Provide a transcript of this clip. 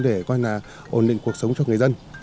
để ổn định cuộc sống cho người dân